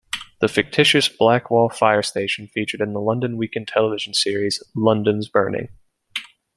The fictitious Blackwall Fire Station featured in the London Weekend Television series "London's Burning".